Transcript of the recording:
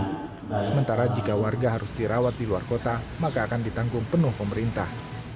jika warga miskin yang tidak mampu harus dirawat di luar kota maka akan ditanggung penuh pemerintah